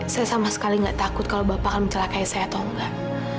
saya sama sekali nggak takut kalau bapak akan mencelakai saya atau enggak